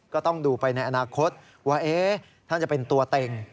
ก็ต้องดูไปในอนาคตว่าท่านจะเป็นตัวเต็ง